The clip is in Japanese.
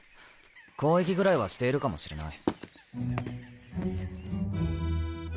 交易ぐらいはしているかもしれない。